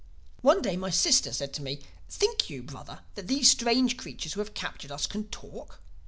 "One day my sister said to me, 'Think you, Brother, that these strange creatures who have captured us can talk?